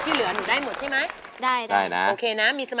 เหลือนนูได้หมดใช่ไหม